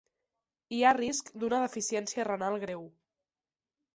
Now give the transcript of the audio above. Hi ha risc d'una deficiència renal greu.